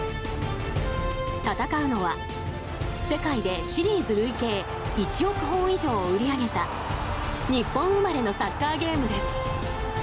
戦うのは、世界でシリーズ累計１億本以上を売り上げた日本生まれのサッカーゲームです。